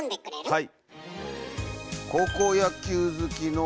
はい。